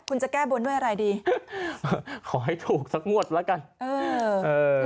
คุณจะแก้บนด้วยอะไรดีขอให้ถูกสักงวดละกันเออเออ